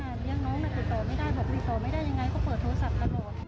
แล้วน้องเขาได้รับปลาเจ็บอย่างไรบ้างครับ